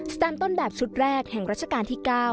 แตมต้นแบบชุดแรกแห่งรัชกาลที่๙